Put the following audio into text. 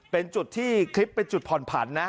เป็นจุดที่คลิปเป็นจุดผ่อนผันนะ